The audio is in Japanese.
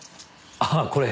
ああこれ。